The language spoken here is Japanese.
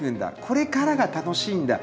これからが楽しいんだ